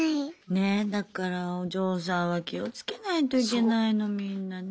ねだからお嬢さんは気をつけないといけないのみんなね。